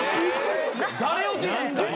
誰をディスったんや。